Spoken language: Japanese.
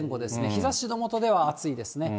日ざしの下では暑いですね。